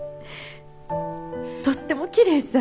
とってもきれいさ。